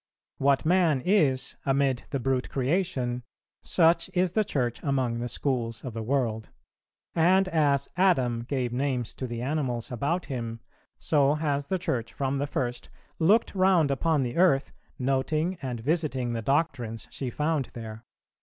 What man is amid the brute creation, such is the Church among the schools of the world; and as Adam gave names to the animals about him, so has the Church from the first looked round upon the earth, noting and visiting the doctrines she found there.